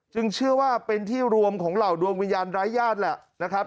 เชื่อว่าเป็นที่รวมของเหล่าดวงวิญญาณร้ายญาติแหละนะครับ